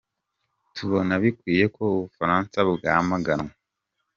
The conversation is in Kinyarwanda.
Tubona bikwiye ko u Bufaransa bwamaganwa.